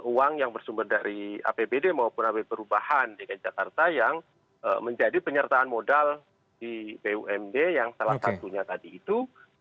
uang yang bersumber dari apbd maupun apb perubahan dki jakarta yang menjadi penyertaan modal di bumd yang salah satunya tadi itu